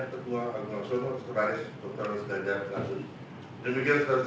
ketua agung langsung menteri karis dr nisdan dhan dan menteri karus